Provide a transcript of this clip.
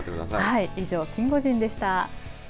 以上、キンゴジンでした。